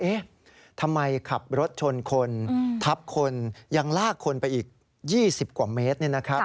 เอ๊ะทำไมขับรถชนคนทับคนยังลากคนไปอีก๒๐กว่าเมตร